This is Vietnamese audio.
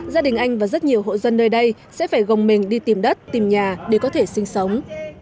gia đình anh và rất nhiều hộ dân nơi đây sẽ phải gồng mình đi tìm đất tìm nhà để có thể sinh sống